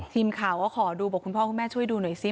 ทีมข่าวก็ขอดูบอกคุณพ่อคุณแม่ช่วยดูหน่อยสิ